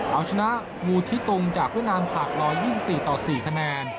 เอาชนะงูทิตุงจากเวียดนามหัก๑๒๔ต่อ๔คะแนน